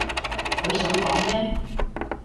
佢想講咩？